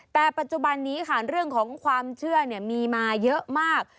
แต่ปัจจุบันนี้ค่ะเรื่องของความเชื่อมีมาเยอะมาก